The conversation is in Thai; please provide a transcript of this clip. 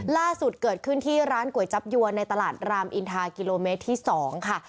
ล่าสุดเกิดขึ้นที่ร้านก๋วยจับยวนในตลาดรามอินทากิโลเมตรที่๒ค่ะ